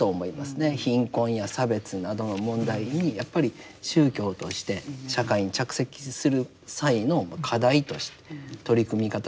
貧困や差別などの問題にやっぱり宗教として社会に着席する際の課題として取り組み方。